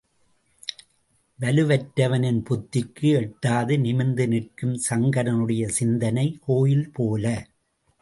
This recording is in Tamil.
வலுவற்றவனின் புத்திக்கு எட்டாது நிமிர்ந்து நிற்கும் சங்கரனுடைய சிந்தனை கோயில் போல.